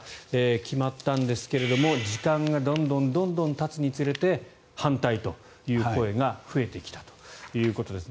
決まったんですけれども時間がどんどんたつにつれて反対という声が増えてきたということです。